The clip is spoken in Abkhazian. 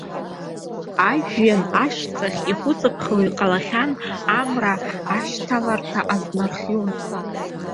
Ажәҩан ашҵахь ихәыҵыԥхо иҟалахьан, амра ашьҭаларҭа азнархион.